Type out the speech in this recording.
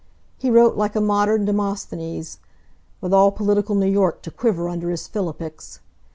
He wrote like a modern Demosthenes, with all political New York to quiver under his philippics.